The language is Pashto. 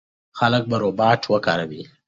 خلک به روباټ وکاروي.